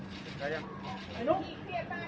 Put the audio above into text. พี่สุนัยคิดถึงลูกไหมครับ